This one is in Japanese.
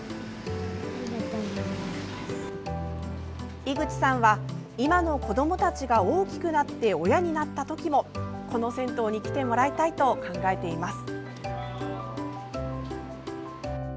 井口さんは今の子どもたちが大きくなって親になった時もこの銭湯に来てもらいたいと考えています。